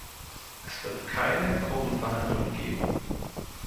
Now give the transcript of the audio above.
Es wird keine Gruppenverhandlungen geben.